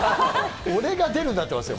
俺が出るになってきますよね。